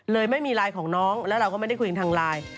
ไม่มีไลน์ของน้องแล้วเราก็ไม่ได้คุยกันทางไลน์